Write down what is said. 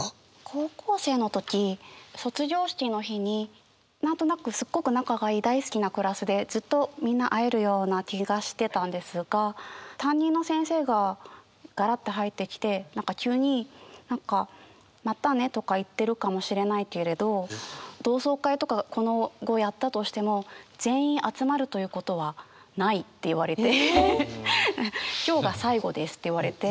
高校生の時卒業式の日に何となくすっごく仲がいい大好きなクラスでずっとみんな会えるような気がしてたんですが担任の先生がガラって入ってきて何か急に何か「またねとか言ってるかもしれないけれど同窓会とか今後やったとしても全員集まるということはない」って言われて「今日が最後です」って言われて。